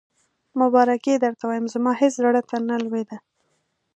مبارکي یې درته وایم، زما هېڅ زړه ته نه لوېده.